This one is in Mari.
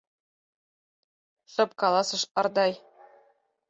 — шып каласыш Ардай.